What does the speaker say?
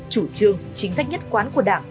chủ trương chính sách nhất quán của đảng